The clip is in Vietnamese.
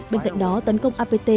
bên cạnh đó tấn công apt